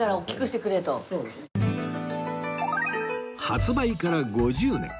発売から５０年